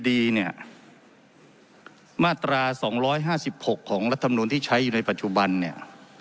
ที่ดีเนี่ยมาตราสองร้อยห้าสิบหกของรัฐธรรมนุนที่ใช้อยู่ในปัจจุบันเนี่ย